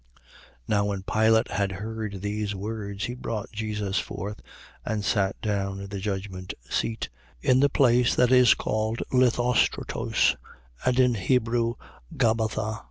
19:13. Now when Pilate had heard these words, he brought Jesus forth and sat down in the judgment seat, in the place that is called Lithostrotos, and in Hebrew Gabbatha.